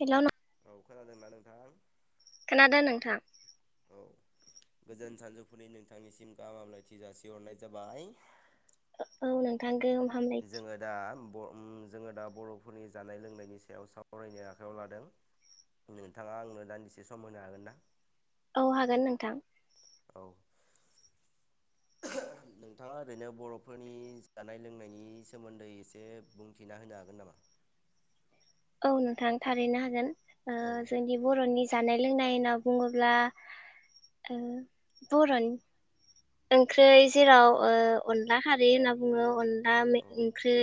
Hello. औ खोनादोंना नोंथां? खोनादों नोंथां। औ गोजोन सानजौफुनि नोंथांनिसिम गाहामलायथि जासिहरनाय जाबाय। औ नोंथां। गोहोम हामलायथि जोङो दा ब जोङो दा बर'फोरनि जानाय लोंनायनि सायाव सावरायनो आखायाव लादों नोंथाङा आंनो दान्दिसे सम होनो हागोन ना? औ हागोन नोंथां। औ नोंथाङा ओरैनो बर'फोरनि जानाय लोंनायनि सोमोन्दै एसे बुंथिना होनो हागोन नामा? औ नोंथां थारैनो हागोन। ओ औ जोंनि बरनि जानाय लोंनाय होनना बुङोब्ला बर'नि ओंख्रै जेराव ओ अनला खारै होनना बुङो अन ला औ ओंख्रै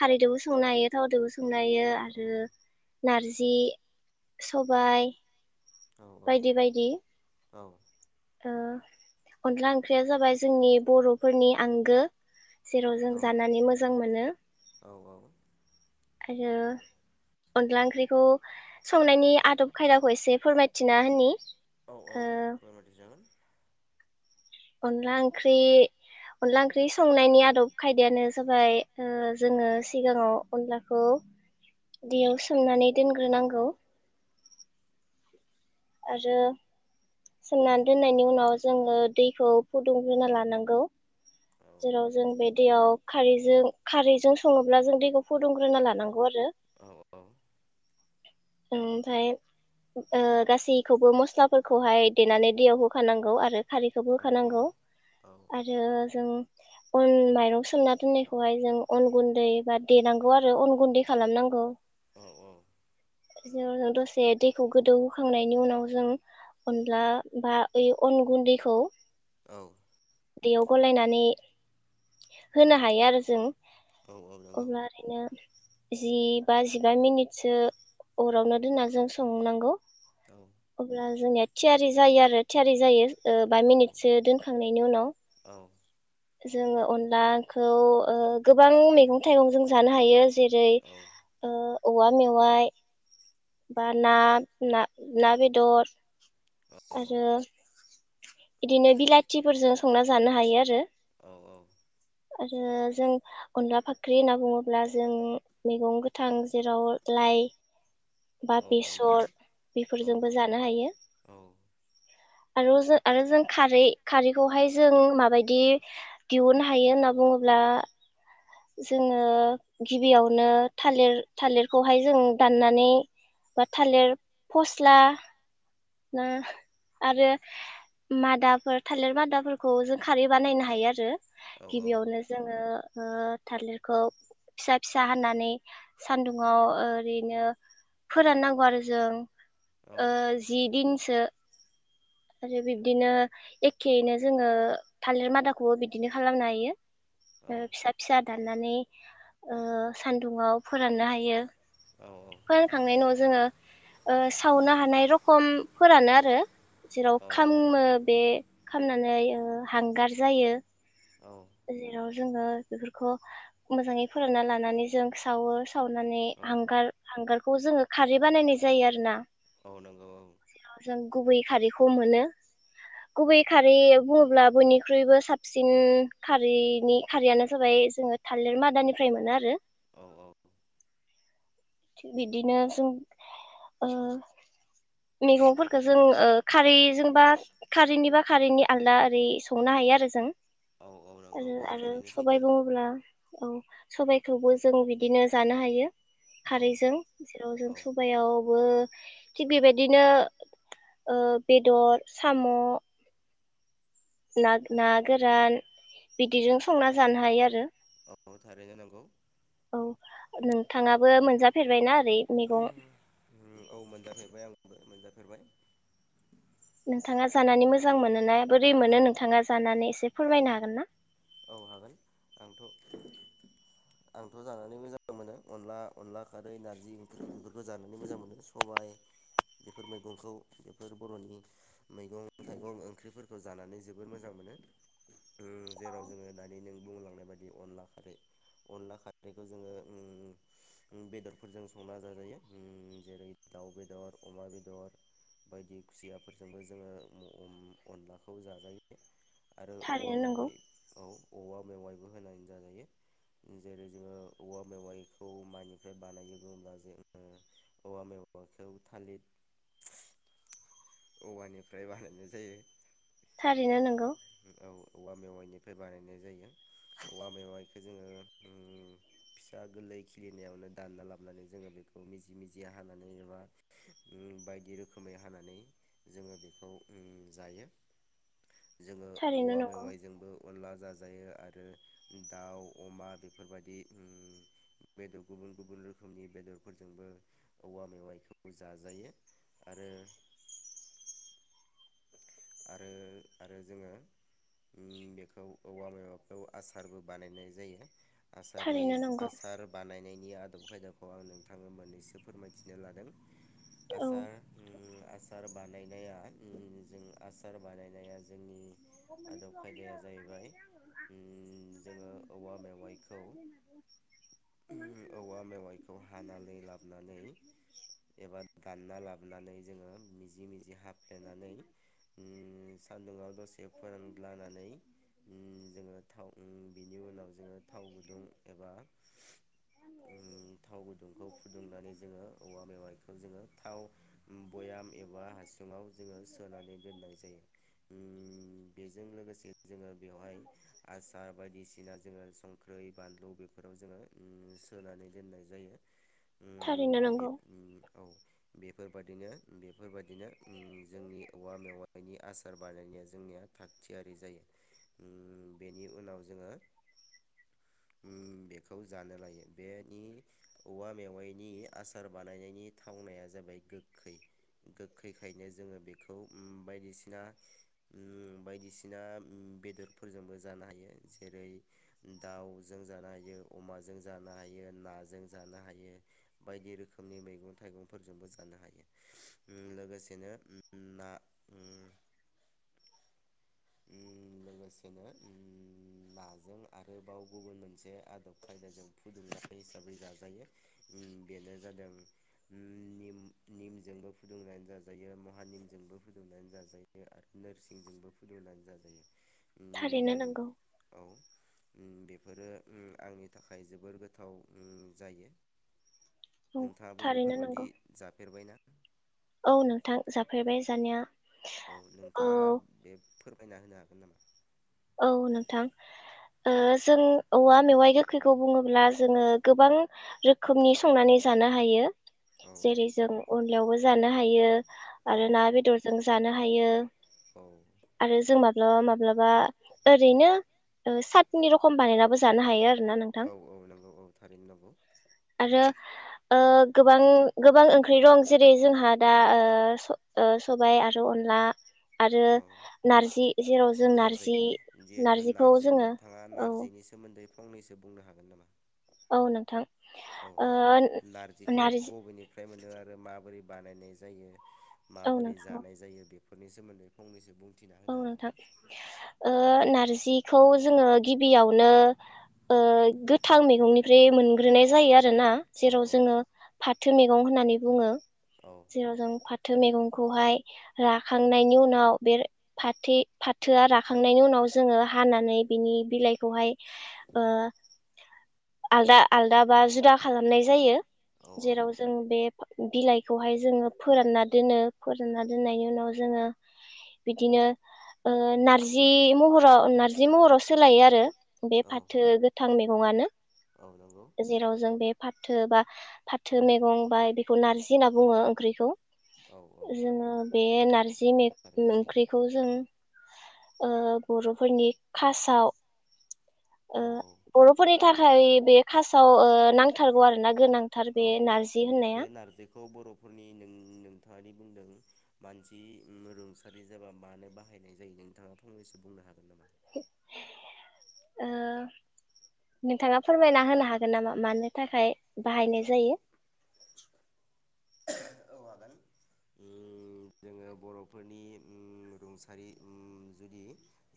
खारैदोबो संनो हायो थावदोबो स संनायो आरो औ नारजि सबाय औ बायदि बायदि। औ अनला ओंख्रिया जाबाय जोंनि बर'फोरनि आंगो जेराव औ जों जानानै मोजां मोनो। औ आरो अनला ओंख्रिखौ संनायनि आदब खायदाखौ एसे फोरमायथिना होनि औ औ ओ फोरमायथि जागोन अनला ओंख्रि अनला ओंख्रि संनायनि आदब खायदायानो जाबाय जोङो सिगाङाव अनलाखौ दैयाव सोमनानै दोनग्रोनांगौ। आरो सोमनानै दोननायनि उनाव जोङो दैखौ फुदुंग्रोना लानांगौ औ जेराव जों बे दैयाव खारैजों खारैजों सङोब्ला जों दैखौ फुदुंग्रोना लानांगौ आरो। औ औ ओमफ्राय गासैखौबो मस्लाफोरखौहाय देनानै दैयाव होखानांगौ आरो खारैखौबो औ होखानांगौ आरो जों अन माइरं सोमना दोननायखौहाय जों अन गुन्दै बा देनांगौ आरो अन गुन्दै खालामनांगौ। औ औ जों दसे दैखौ गोदौहोखांनायनि उनाव जों अनला बा ओइ अन गुन्दैखौ औ दैयाव गलायनानै होनो हायो आरो जों। औ औ नंगौ अब्ला ओरैनो जि बा जिबा मिनिटसो अरावनो दोनना जों संनांगौ औ नंगौ अब्ला जोंनिया थियारि जायो आरो थियारि जायो। औ बा औ मिनिटसो दोनखांनायनि उनाव जोङो अनलाखौ गोबां मैगं थाइगंजों जानो हायो जेरै औवा मेवाइ बा ना ना ना बेदर आरो बिदिनो बिलाथिफोरजों संना जानो हायो आरो। औ औ आरो जों अनला फाख्रि होनना बुङोब्ला जों मैगं गोथां जेराव लाइ बा औ औ नंगौ बेसर बेफोरजोंबो जानो हायो। औ औ आरो जों आरो जों खारै खारैखौहाय जों माबायदि दिहुननो हायो होनना बुङोब्ला जोङो गिबियावनो थालिर थालिरखौहाय जों दाननानै बा थालिर फस्ला ना आरो मादाफोर थालिर मादाफोरखौ जों खारै बानायनो हायो आरो। औ गिबियावनो जोङो ओ थालिरखौ फिसा फिसा हानानै सानदुंङाव ओरैनो फोराननांगौ आरो जों औ ओ थिंसो आरो बिब्दिनो एखेयैनो जोङो थालिर मादाखौबो बिदिनो खालामनो हायो। औ ओ फिसा फिसा दान दाननानै ओ सानदुंआव फोराननो हायो। औ फानखांनायनि उनाव जोङो ओ सावनो हानाय रखम फोरानो आरो जेराव औ खामो बे खामनानै ओ हांगार जायो औ जेराव जोङो बेफोरखौ मोजाङै फोरानना लानानै जों सावो। सावनानै औ हांगार हांगार खौ जोङो खारै बानायनाय जायो आरो ना। औ नंगौ औ जों गुबै खारै खौ मोनो गुबै खारै बुङोब्ला बयनिख्रुइबो साबसिन खारैनि खारैयानो जाबाय जोङो थालिर मादानिफ्राय मोनो आरो। औ औ। थिग बिदिनो जों ओ मैगंफोरखौ जों ओ खारैजोंबा खारैनिबा खारैनि आलदा ओरै संनो हायो आरो जों। औ नंगौ आरो बेयो आरो थारैनो सैथो सबाय बुङोब्ला औ सबायाइखौबो जों बिदिनो जानो हायो। औ खारैजों जेराव जों औ सबायावबो थिग बेबायदिनो ओ बेदर साम' नाथ ना गोरान बिदिजों संना जानो हायो आरो। औ थारैनो नंगौ। थाङाबो मोनजाफेरबायना जै मैगं उम औ मोनजाफेरबाय आंबो [unintelligible] नोंथाङा जानानै मोजां मोनोना? बोरै मोनो नोंथाङा जानानै एसे फोरमायनो हागोन ना? औ हागोन आंथ आंथ जानानै मोजां मोनो अनला अनला खारै नारजि ओंख्रि बेफोरखौ जानानै मोजां मोनो सबाय बेफोर मैगंखौ बेफोर बर'नि मैगं थाइगं ओंख्रिफोरखौ जानानै जोबोर मोजां मोनो। जेराव जोङो दानि नों बुंलांनाय बायदि अनला खारै अनला खारैखौ जोङो उम उम बेदरफोरजों संना जाजायो उम जेरै दाउ बेदर अमा बेदर बायदि खुसियाफोरजोंबो जोङो उम अनलाखौ जाजायो आरो औवा थारैनो नंगौ मेवाइ औ औवा मेवाइबो होनानै जाजायो जेरै जोङो औवा मेवाइखौ माइनिफ्राय बानायो बुंब्ला जोङो औवा मेवाइखौ थालिर औवानिफ्राय बानायनाय जायो। थारैनो नंगौ औ औवा मेवाइनिफ्राय बानायनाय जायो औवा मेवाइखौ जोङो उम फिसा गोरलै खिलिनायावनो दानना लाबोनानै जोङो बेखौ मिजि मिजिया हानानै एबा ओम बायदि रोखोमै हानानै जोङो बेखौ ओम जायो। जोङो थारैनो औवा नंगौ मेवाइजोंबो अनला जाज जायो आरो दाउ अमा बेफोरबायदि ओम बेदर गुबुन गुबुन रोखोमनि बेदरफोरजोंबो औवा मेवाइखौ जाजायो आरो आरो आरो जोङो ओम बेखौ औवा मेवाइखौ आसारबो बानायनाय जायो। आसारनि थारैनो नंगौ आसार बानायनायनि नि आदब खायदाखौ आं नोंथांनो मोननैसो फोरमायथिनो लादों। औ आसार ओम आसार बानायनाया ओम जों आसार बानायनाया जों जोंनि आदब खायदाया जाहैबाय ओम जोङो औवा मेवाइखौ औवा मेवाइखौ हानानै लाबोनानै एबा दानना लाबोनानै जोङो मिजि मिजि- बिदि हाफ्लेनानै ओम गुदुङआव दसे फोरान्लानानै ओ जोङो थाव उ बिनि उनाव जोङो थाव गुदुं एबा उ थाव गुदुंखौ फुदुंनानै जोङो औवा मेवाइखौ जोङो थाव उ बयाम एबा हासुं सिङाव जोङो सोनानै दोननाय जायो। उ बेजों लोगोसे। जोङो बेवहाय आसार बायदिसिना जोङो संख्रै बानलु। बेफोराव जोङो उ सोनानै दोननाय जायो। थारैनो उम बे नंगौ। उम औ बेफोरबायादिनो बेफोरबादिनो उ जोंनि औवा मेवायनि आसार। आसार बानायनाया जोंनिया थागथियारि जायो उ बेनि उनाव जोङो उ बेखौ जानो लायो बेनि औवा मेवाइनि आसार बानायनायनि थावनाया जाबाय गोखै गोखैखायनो जोङो बेखौ उ बायदिसिना। उ बायदिसिना बेदरफोरजोंबो जानो हायो जेरै दाउजों जानो हायो अमाजों जानो हायो नाजों जानो हायो बायदि रोखोमनि मैगं थाइगंफोरजोंबो जानो हायो उ लोगोसेनो उ ना। उ लोगोसेनो उ नाजों आरोबाव गुबुन मोनसे आदब खायदाजों फुदुंनाय हिसाबै जाजायो उ बेनो जादों उ निम निमजोंबो फुदुंनानै जाजायो महानिमजोंबो फुदुंनानै जाजायो आरो नोरसिंजोंबो फुदुं। फुदुंनानै जाजायो। थारैनो नंगौ। उ बेफोरो उ आंनि थाखाय जोबोर गोथाव उ जायो। औ नोंथाङाबो थारैनो बेफोरबायादि नंगौ जाफेरबायना? औ नोंथां जाफेरबाय जानाया। औ नोंथाङा बे- फोरमायना होनो हागोन नामा? औ नोंथां जों औवा मेवाइ गोखैखौ बुङोब्ला जोङो गोबां रोखोमनि संनानै जानो हायो। औ जेरै जों अन लियावबो जानो हायो। आरो ना बेदरजों- जानो हायो। औ आरो जों मा। ओ माब्लाबा। ओरैनो सातनि रखम बानायनाबो जानो हायो आरो। औ- औ- नंगौ औ थारैनो नंगौ। आरो ओ गोबां गोबां ओंख्रि दं जेरै जोंहा दा ओ स सबाय आरो अनला। आरो नारजि। जेराव जों नार। दै जिहेतु नार्जोय नोंथा औ नार्जिनि सोमोन्दै। फंनैसो बुंनो हागोन नामा। औ नोंथां। औ ओ हा नारजिखौ नारजि बबेनिफ्राय मोनदों आरो माबोरैजीजी बानायनाय जायो। औ माबोरै नोंथां औ जानाय जायो? बे बेफोरनि सोमोन्दै फंनैसो बुं औ नोंथां ओ नार जिखौ जोङो गिबियावनो ओ गोथां मैगंनिफ्राय मोनग्रोनाय जायो आ रो ना औ जेराव औ जोङो फा थो मैगं होननानै बुङो। औ जेराव जों फा थो मैगंखौहाय राखांनायनि उनाव बे फाथो फाथोआ राखांनायनि उनाव जोङो हानानै बिनि बिलाइखौहाय ओ आलदा आलदा बा जुदा खालामनाय जायो। जायो बिफांखौ जेराव जों बे बिलाइखौहाय जोङो फोरानना दोनो। फोरानना दोननायनि उनाव जोङो बिदिनो ओ नारजि महराव नार्जि महराव सोलायो आरो बे फाथो गो थां मैगङानो। मैगङानो औ नंगौ जेराव जों बे फा थो बा फाथो मैगं बा बेखौ नारजि होनना बुङो ओंख्रिखौ औ औ जोङो बे नंगौ नार्जि बेफोर थारैनो सैथो ओंख्रि ओ बर'फोरनि खासाव ओ औ औ बरफोरनि था खाय बे खासाव ओ नांथारगौ आरो ना? गोनांथार बे नारजि होननाया। न'खरनि नों- नोंथाङादि बुंदों मानसि उम रुंसारि जाबा मानो बाहायनाय जायो नोंथाङा फंनैसो बुंनो हागोन नामा? ओ नोंथाङा फोरमायना होनो हागोन नामा? मानो थाखाय बाहायनाय जायो। औ उम जोङो बर'फोरनि उम रुंसारि उम जुदि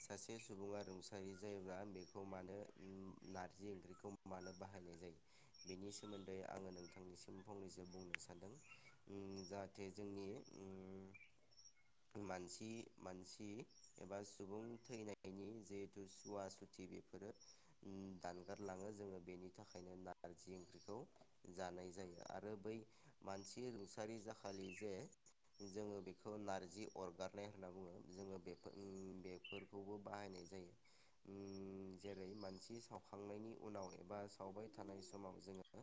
सासे सुबुङा रुंसारि जायोब्ला बेखौ मानो उम नारजि ओंख्रिखौ मानो बाहायनाय जायो? बेनि सोमोन्दै आङो नोंथांनिसिम फंनैसो बुंनो सानदों। उम जाहाथे जोंनि उम मानसि मानसि एबा सुबुं थैनायनि जिहेथु सुवा सुथि बेफोरो उम दानगारलाङो जोङो बेनि थाखायनो नारजि ओंख्रिखौ जानाय जायो आरो बै मानसि सारि जाखालि जे जोङो बेखौ नारजि अरगारनाय होनना बुङो जोङो बेफो उम बेफोरखौबो बाहायनाय जायो उम जेरै मानसि सावखांनायनि उनाव एबा खावबाय थानाय समाव जोङो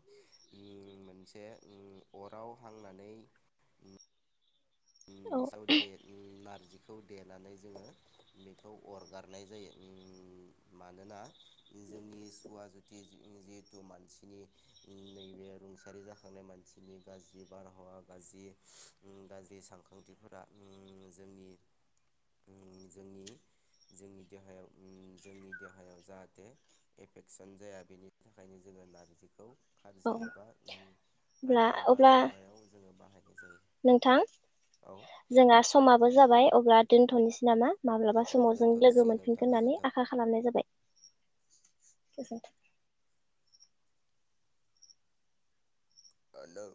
उम मोनसे उम अराव हांना नै उम। उम औ साव दे उम नारजिखौ देनानै जोङो बेखौ अरगारनाय जायो उम मानोना जोंनि सुवा जुति जिहेतु मानसिनि उम नैबे रुंसारि जाखांनाय मानसिनि गाज्रि बारहावा गाज्रि उम गा ज्रि सानखांथिफोरा उम जोंनि उम जोंनि जोंनि देहायाव उम जोंनि देहायाव जाहाथे एफेकसन जाया बेनि थाखायनो जोङो नारजिखौ औ खारजो एबा उम अब्ला खारजो एबा अब्ला सावनायाव जोङो बाहाय। नोंथां। जोंहा समाबो जाबाय। अब्ला दोनथ'नोसै नामा? माब्लाबा औ समाव जों दोनथ' लोगो जासिगोन नोंथां मोनफिनगोन होननानै आखा गोजोन्थों। खालामनाय जाबाय। गोजोनथों। आलो